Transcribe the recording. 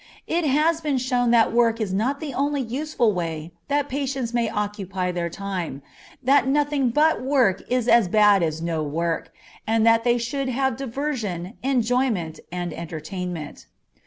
It has been shown that work is not the only useful way that patients may occupy their time, that nothing but work is as bad as no work, and that they should have diversion, enjoyment, and entertainment.